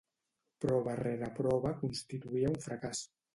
Prova rere prova constituïa un fracàs.